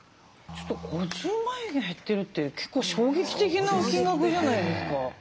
ちょっと５０万円減ってるって結構衝撃的な金額じゃないですか。